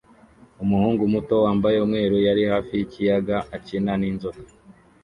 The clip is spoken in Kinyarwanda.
Umuhungu muto wambaye umweru yari hafi yikiyaga akina ninzoka